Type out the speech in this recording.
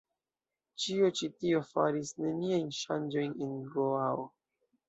Ĉio ĉi tio faris neniajn ŝanĝojn en Goao.